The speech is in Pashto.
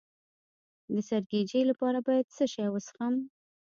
د سرګیچي لپاره باید څه شی وڅښم؟